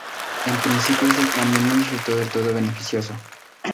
En principio este cambio no resultó del todo beneficioso.